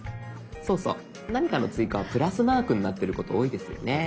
そうそう何かの追加はプラスマークになってること多いですよね。